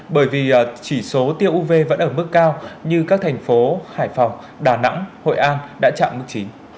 bởi vì chỉ số tiêu uv vẫn ở mức cao như các thành phố hải phòng đà nẵng hội an đã chạm mức chín